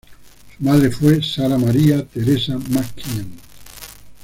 Su madre fue Sarah Maria Theresa McKean.